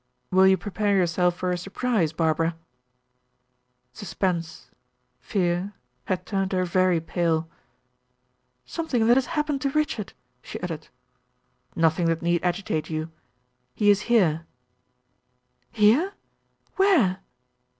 "Will you prepare yourself for a surprise, Barbara?" Suspense fear had turned her very pale. "Something that has happened to Richard!" she uttered. "Nothing that need agitate you. He is here." "Here? Where?